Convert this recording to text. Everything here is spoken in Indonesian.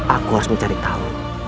aku harus mencari tahu